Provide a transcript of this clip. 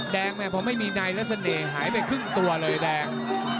แม่พอไม่มีในแล้วเสน่ห์หายไปครึ่งตัวเลยแดง